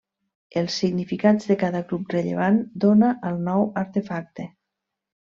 Els significats que cada grup rellevant dóna al nou artefacte.